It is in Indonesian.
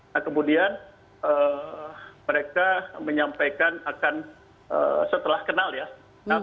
nah kemudian mereka menyampaikan akan setelah kenal ya